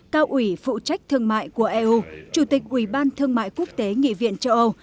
cao ủy phụ trách thương mại của eu chủ tịch ủy ban thương mại quốc tế nghị viện châu âu